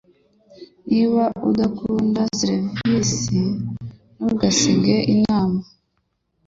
Niba udakunda serivisi, ntugasige inama